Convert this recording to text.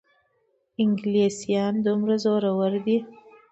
انګلیسیان دومره زورور دي.